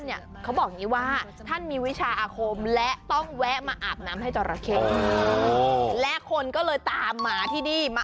อย่างเวลาคุณชนะบอกขอไปอาบน้ำจราเข้อย่างนี้